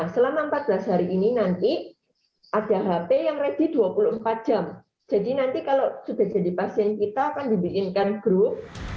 jadi nanti kalau sudah jadi pasien kita akan dibiinkan grup